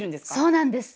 そうなんです。